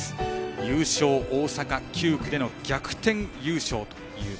優勝、大阪９区での逆転優勝。